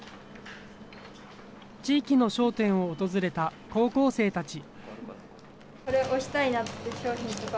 地域の商店を訪れた高校生たち。